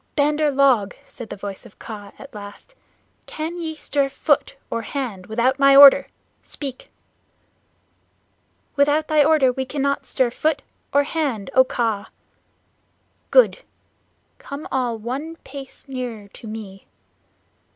"Bandar log," said the voice of Kaa at last, "can ye stir foot or hand without my order? Speak!" "Without thy order we cannot stir foot or hand, O Kaa!" "Good! Come all one pace nearer to me."